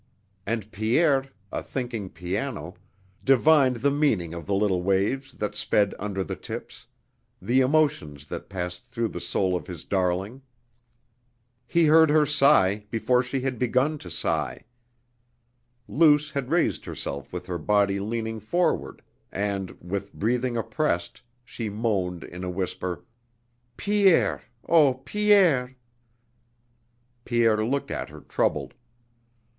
And Pierre, a thinking piano, divined the meaning of the little waves that sped under the tips, the emotions that passed through the soul of his darling. He heard her sigh before she had begun to sigh. Luce had raised herself with her body leaning forward and, with breathing oppressed, she moaned in a whisper: "Pierre, oh, Pierre!" Pierre looked at her troubled.